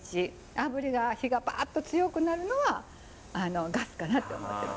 あぶりが火がバッと強くなるのはガスかなと思ってます。